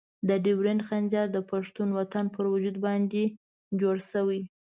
د ډیورنډ خنجر د پښتون وطن پر وجود باندې جوړ شوی.